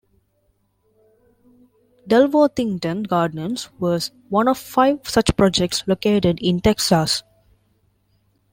Dalworthington Gardens was one of five such projects located in Texas.